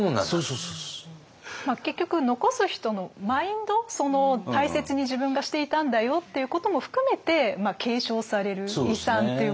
結局残す人のマインド大切に自分がしていたんだよっていうことも含めて継承される遺産っていうことなんですよね。